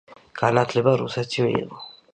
განათლება რუსეთში მიიღო.